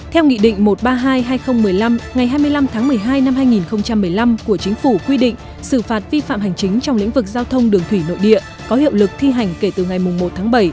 theo nghị định một trăm ba mươi hai hai nghìn một mươi năm ngày hai mươi năm tháng một mươi hai năm hai nghìn một mươi năm của chính phủ quy định xử phạt vi phạm hành chính trong lĩnh vực giao thông đường thủy nội địa có hiệu lực thi hành kể từ ngày một tháng bảy